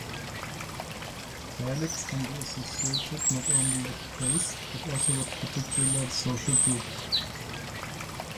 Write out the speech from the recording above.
Dialects can be associated not only with place, but also with particular social groups.